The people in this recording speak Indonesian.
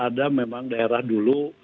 ada memang daerah dulu